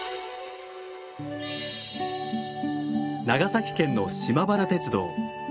長崎県の島原鉄道。